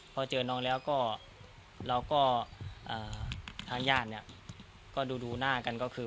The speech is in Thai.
พอเจอน้องแล้วก็เราก็ทางญาติเนี่ยก็ดูหน้ากันก็คือ